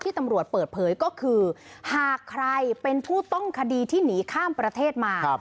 ตำรวจเปิดเผยก็คือหากใครเป็นผู้ต้องคดีที่หนีข้ามประเทศมา